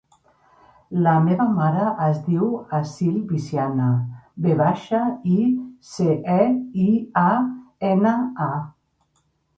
La meva mare es diu Aseel Viciana: ve baixa, i, ce, i, a, ena, a.